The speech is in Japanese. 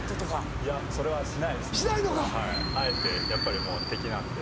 僕はあえてやっぱりもう敵なんで。